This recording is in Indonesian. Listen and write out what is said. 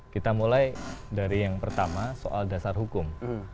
kita mulai dari yang pertama soal dasar hukum